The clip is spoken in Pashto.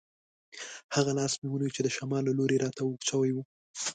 هغه لاس مې ونیو چې د شمال له لوري راته اوږد شوی وو.